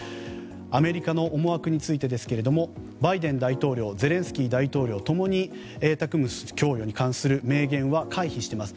アメリカの思惑についてですがバイデン大統領ゼレンスキー大統領ともにＡＴＡＣＭＳ供与に関する明言は回避しています。